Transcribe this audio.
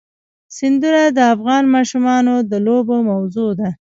سیندونه د افغان ماشومانو د لوبو موضوع ده.